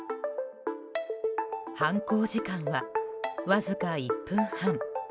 犯行時間は、わずか１分半。